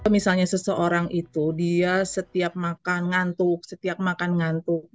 misalnya seseorang itu dia setiap makan ngantuk setiap makan ngantuk